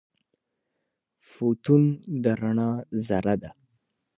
فوتون د رڼا ذره ده.